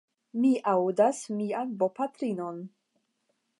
Mi aŭdas mian bopatrinon.